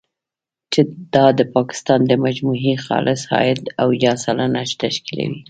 چې دا د پاکستان د مجموعي خالص عاید، اویا سلنه تشکیلوي.